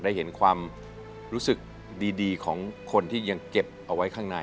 ได้เห็นความรู้สึกดีของคนที่ยังเก็บเอาไว้ข้างใน